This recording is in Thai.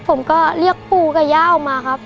ผมก็เรียกปู่กับย่าออกมาครับ